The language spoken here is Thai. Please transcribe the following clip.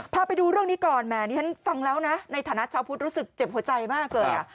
พาไปดูเรื่องนี้ก่อนแหมนี่ฉันฟังแล้วนะในฐานะชาวพุทธรู้สึกเจ็บหัวใจมากเลย